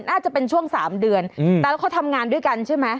น่าจะเป็นช่วง๓เดือนแต่แล้วเขาทำงานด้วยกันใช่ไหม